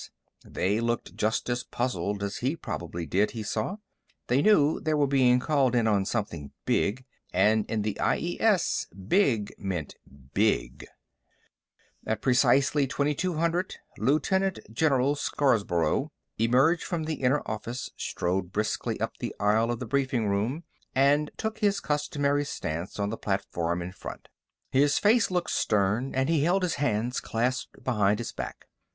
They looked just as puzzled as he probably did, he saw; they knew they were being called in on something big, and in the IES big meant big. At precisely 2200, Lieutenant General Scarborough emerged from the inner office, strode briskly up the aisle of the briefing room, and took his customary stance on the platform in front. His face looked stern, and he held his hands clasped behind his back.